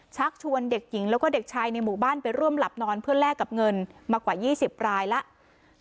ชักชวนเด็กหญิงแล้วก็เด็กชายในหมู่บ้านไปร่วมหลับนอนเพื่อแลกกับเงินมากว่า๒๐รายแล้ว